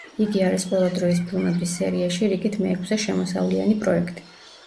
იგი არის ყველა დროის ფილმების სერიაში რიგით მეექვსე შემოსავლიანი პროექტი.